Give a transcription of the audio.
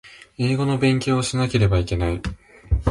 英語の勉強をしなければいけない